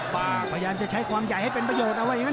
ประอุตอย่างจะใช้ความใหญ่ให้เป็นประโยชน์